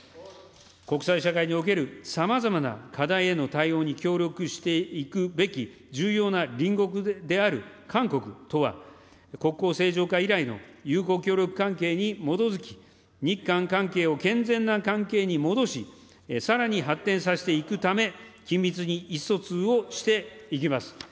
国際社会におけるさまざまな課題への対応に協力していくべき重要な隣国である韓国とは国交正常化以来の友好協力関係に基づき、日韓関係を健全な関係に戻し、さらに発展させていくため、緊密に意志疎通をしていきます。